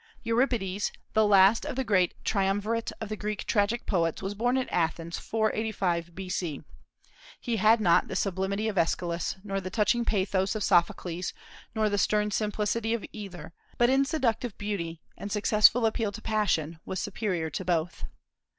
Euripides, the last of the great triumvirate of the Greek tragic poets, was born at Athens, 485 B.C. He had not the sublimity of Aeschylus, nor the touching pathos of Sophocles, nor the stern simplicity of either, but in seductive beauty and successful appeal to passion was superior to both.